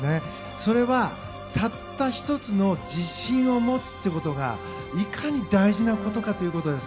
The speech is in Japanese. それはたった１つの自信を持つということがいかに大事なことかということです。